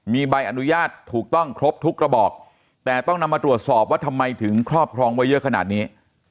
มีใบอนุญาตถูกต้องครบทุกกระบอกแต่ต้องนำมาตรวจสอบว่าทำไมถึงครอบครองไว้เยอะขนาดนี้